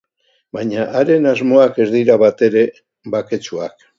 Baina haren asmoak ez dira batere baketsuak.